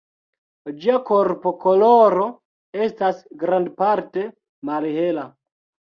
Ĝia korpokoloro estas grandparte malhela.